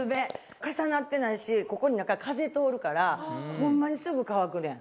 重なってないしここに中風通るからホンマにすぐ乾くねん。